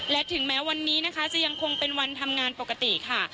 และถึงแม้วันนี้นะคะจะยังคงเป็นวันทำงานปกติค่ะ